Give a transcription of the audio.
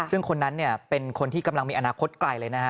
ซึ่งคนนั้นเป็นคนที่กำลังมีอนาคตไกลเลยนะฮะ